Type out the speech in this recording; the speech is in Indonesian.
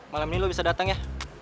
malam ini lo bisa datang ya